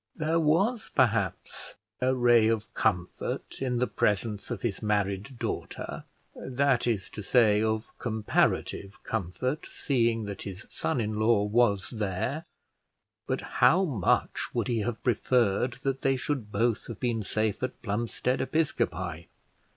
There was, perhaps, a ray of comfort in the presence of his married daughter; that is to say, of comparative comfort, seeing that his son in law was there; but how much would he have preferred that they should both have been safe at Plumstead Episcopi!